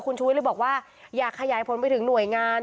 คุณชูวิทย์เลยบอกว่าอยากขยายผลไปถึงหน่วยงาน